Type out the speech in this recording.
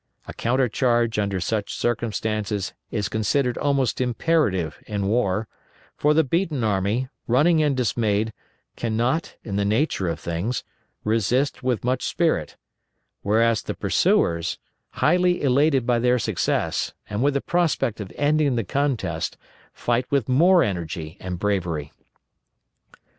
A counter charge under such circumstances is considered almost imperative in war; for the beaten army, running and dismayed, cannot, in the nature of things, resist with much spirit; whereas the pursuers, highly elated by their success, and with the prospect of ending the contest, fight with more energy and bravery.